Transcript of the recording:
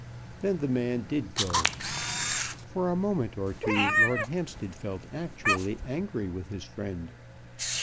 Then the man did go. For a moment or two Lord Hampstead felt actually angry with his friend.